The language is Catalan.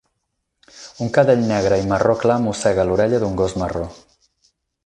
Un cadell negre i marró clar mossega l'orella d'un gos marró.